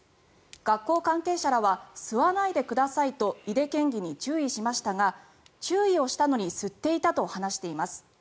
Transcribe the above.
学校関係者らは吸わないでくださいと井手県議に注意しましたが注意をしたのに吸っていたと話しています。